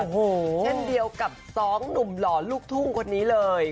โอ้โหเช่นเดียวกับสองหนุ่มหล่อลูกทุ่งคนนี้เลย